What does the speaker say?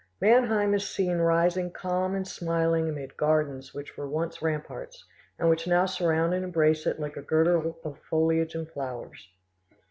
Mannheim is seen rising calm and smiling amid gardens which once were ramparts, and which now surround and embrace it like a girdle of foliage and flowers.